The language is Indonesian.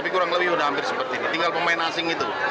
tapi kurang lebih sudah hampir seperti ini tinggal pemain asing itu